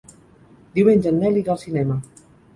Diumenge en Nel irà al cinema.